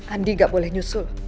andi gak boleh nyusul